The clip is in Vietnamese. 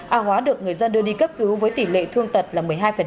a hóa được người dân đưa đi cấp cứu với tỷ lệ thương tật là một mươi hai